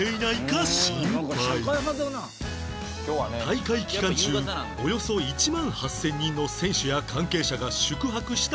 大会期間中およそ１万８０００人の選手や関係者が宿泊した選手村